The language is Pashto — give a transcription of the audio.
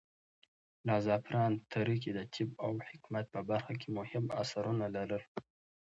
ملا زعفران تره کى د طب او حکمت په برخه کې مهم اثرونه لرل.